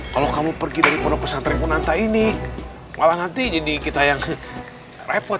kalau kamu pergi dari pondok pesantren monata ini malah nanti jadi kita yang repot